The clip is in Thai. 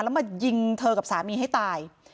แล้วมายิงเธอกับสามีให้ตาย